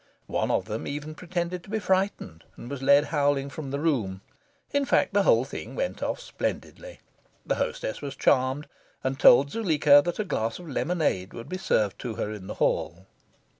One of them even pretended to be frightened, and was led howling from the room. In fact, the whole thing went off splendidly. The hostess was charmed, and told Zuleika that a glass of lemonade would be served to her in the hall.